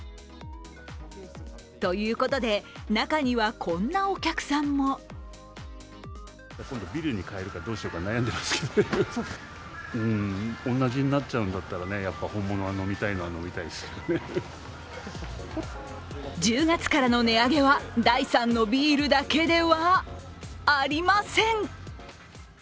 ということで、中にはこんなお客さんも１０月からの値上げは第３のビールだけではありません。